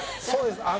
そうです